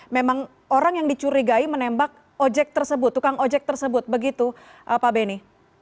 memang orang yang dicurigai menembak ojek tersebut tukang ojek tersebut begitu pak beni